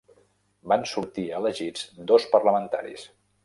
Van sortir elegits dos parlamentaris.